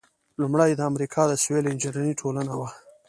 لومړۍ د امریکا د سیول انجینری ټولنه وه.